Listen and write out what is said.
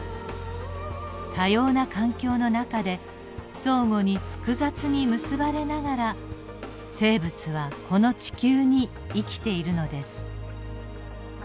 多様な環境の中で相互に複雑に結ばれながら生物はこの地球に生きているのです。